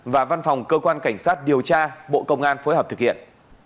và văn phòng cơ quan cảnh sát điều tra bộ công an phối hợp thực hiện